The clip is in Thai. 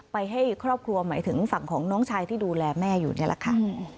ให้ครอบครัวหมายถึงฝั่งของน้องชายที่ดูแลแม่อยู่นี่แหละค่ะ